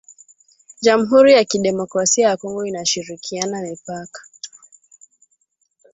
jamuhuri ya kidemokrasia ya Kongo inashirikiana mipaka